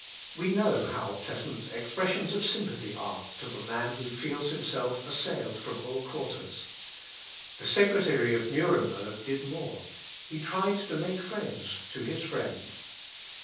We know how pleasant expressions of sympathy are to the man who feels himself assailed from all quarters. The secretary of Nuremberg did more; he tried to make friends to his friend.